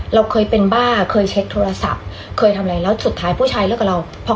เราเคยเป็นบ้าเคยเช็คโทรศัพท์เคยทำอะไรแล้วสุดท้ายผู้ชายเลิกกับเรา